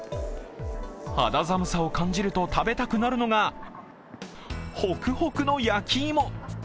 肌寒さを感じると食べたくなるのがほくほくの焼き芋。